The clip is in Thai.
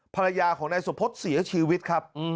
ภรรยาของนายสมพฤษเสียชีวิตครับ